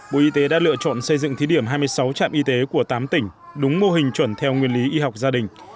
bộ y tế đã lựa chọn xây dựng thí điểm hai mươi sáu trạm y tế của tám tỉnh đúng mô hình chuẩn theo nguyên lý y học gia đình